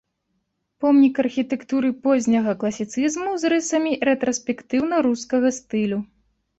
Помнік архітэктуры позняга класіцызму з рысамі рэтраспектыўна-рускага стылю.